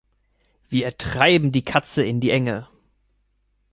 Wir treiben die Katze in die Enge.